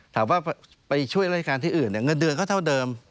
ถามว่าไปช่วยราชการที่อื่นเงินเดือนก็เท่าเดิม